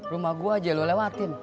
rumah gue aja lo lewatin